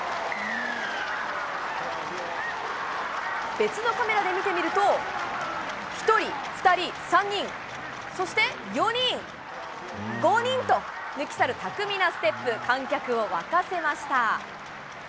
別のカメラで見てみると、１人、２人、３人、そして４人、５人と抜き去る巧みなステップ、観客を沸かせました。